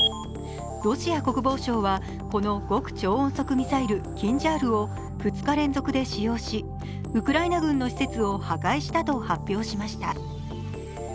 ロシア国防省は、この極超音速ミサイル・キンジャールを２日連続で使用し、ウクライナ軍の施設を破壊したと発表しました。